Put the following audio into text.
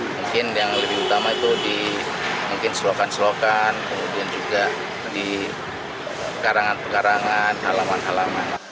mungkin yang lebih utama itu di mungkin selokan selokan kemudian juga di karangan pekarangan halaman halaman